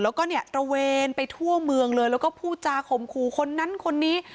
แล้วก็เนี่ยตระเวนไปทั่วเมืองเลยแล้วก็พูดจาข่มขู่คนนั้นคนนี้